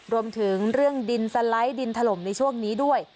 รวมถึงเรื่องดินสไลด์ดินถล่มในช่วงนี้ด้วย